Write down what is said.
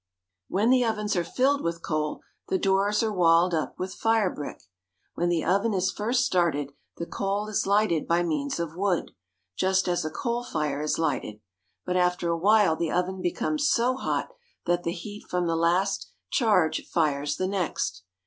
When the ovens are filled with coal, the doors are walled up with fire brick. When the oven is first started the coal is hghted by means of wood, just as a coal fire is lighted ; but after a while the oven becomes so hot that the heat from the last charge fires the next.